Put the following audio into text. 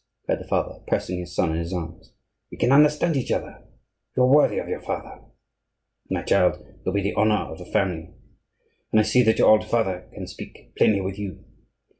cried the father, pressing his son in his arms, "we can understand each other; you are worthy of your father. My child, you'll be the honor of the family, and I see that your old father can speak plainly with you.